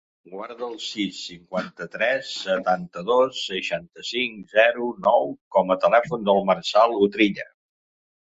Guarda el sis, cinquanta-tres, setanta-dos, seixanta-cinc, zero, nou com a telèfon del Marçal Utrilla.